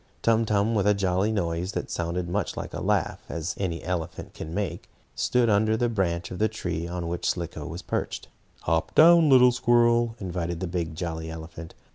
Tum Tum, with a jolly noise that sounded as much like a laugh as any elephant can make, stood under the branch of the tree on which Slicko was perched. "Hop down, little squirrel," invited the big, jolly elephant.